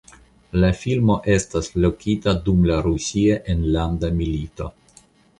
La filmo estas lokita dum la Rusia enlanda milito.